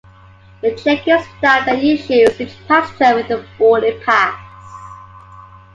The check-in staff then issues each passenger with a boarding pass.